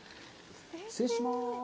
失礼します。